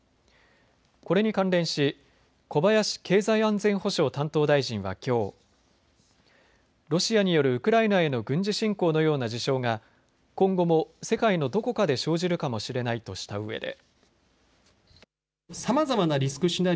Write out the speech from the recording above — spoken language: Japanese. これに関連し小林経済安全保障担当大臣はきょうロシアによるウクライナへの軍事侵攻のような事象が今後も世界のどこかで生じるかもしれないとしたうえで。